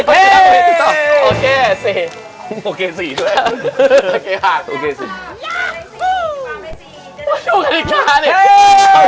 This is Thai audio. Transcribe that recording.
ช่วยกันอีกครั้ง